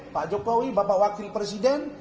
pak jokowi bapak wakil presiden